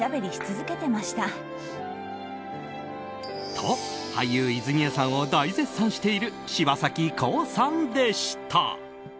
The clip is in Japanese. と、俳優・泉谷さんを大絶賛している柴咲コウさんでした。